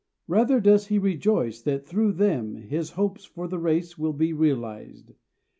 Rather does he rejoice that through them his hopes for the race will be realized.